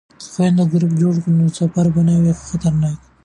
که خویندې ګروپ جوړ کړي نو سفر به نه وي خطرناک.